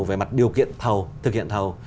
về mặt điều kiện thực hiện thầu